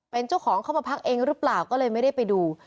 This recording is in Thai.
เป็นเจ้าของเข้ามาพักเองหรือเปล่าก็เลยไม่ได้ไปดู